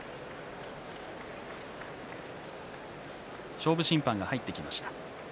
勝負審判が入ってきました。